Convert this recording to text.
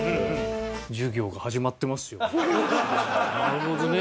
なるほどね。